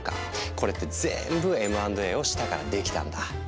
これって全部Ｍ＆Ａをしたからできたんだ。